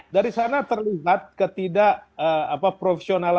dari sana terlihat ketidakprofesionalitas